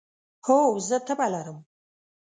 هو، زه تبه لرم